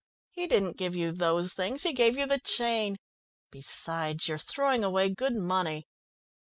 "He didn't give you those things, he gave you the chain. Besides, you are throwing away good money?"